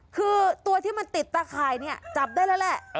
คือตัวที่มันติดตาข่ายเนี่ยจับได้แล้วแหละ